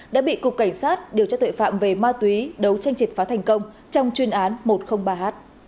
đã bị cục cảnh sát điều tra tội phạm về ma túy đấu tranh triệt phá thành công trong chuyên án một trăm linh ba h